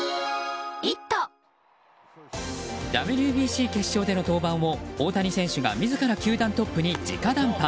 ＷＢＣ決勝での登板を大谷選手が自ら球団トップに直談判。